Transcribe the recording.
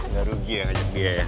gak rugi ya ajak dia ya